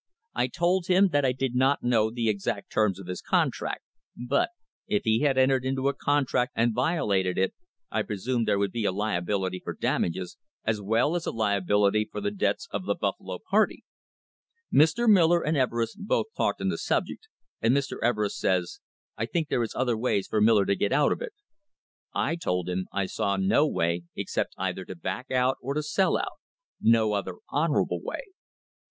I told him that I did not know the exact terms of his contract, but, if he had entered into a contract and violated it, I presumed there would be a liability for damages, as well as a liability for the debts of the Buffalo party. Mr. Miller and Everest both talked on the subject, and Mr. Everest says, 'I think there is other ways for Miller to get out of it.' I told him I saw no way except either to back out or to sell out; no other honourable way. Mr.